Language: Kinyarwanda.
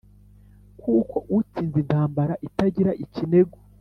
kuko utsinze intambara itagira ikinegu.